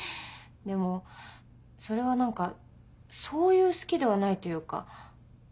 でもそれは何かそういう好きではないというか。